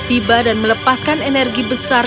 tiba dan melepaskan energi besar